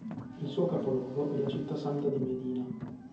Il suo capoluogo è la città santa di Medina.